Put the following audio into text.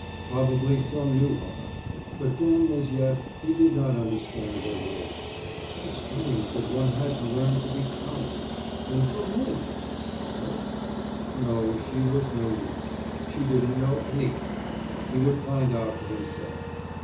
Probably some new horror. But then as yet he did not understand their ways. How strange that one had to learn to be common! And from whom? From her? No, she was no use. She didn't know anything. He would find out for himself.